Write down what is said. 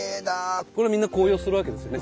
これみんな紅葉するわけですよね。